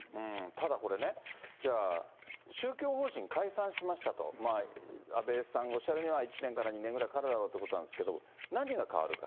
ただこれね、じゃあ宗教法人解散しましたと、阿部さんがおっしゃるには１年から２年ぐらいかかるだろうということなんですけど、何が変わるか。